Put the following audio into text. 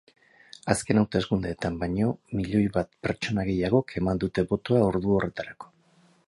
Azken hauteskundeetan baino milioi bat pertsona gehiagok eman dute botoa ordu horretarako.